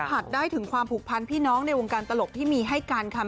ผัดได้ถึงความผูกพันพี่น้องในวงการตลกที่มีให้กันค่ะ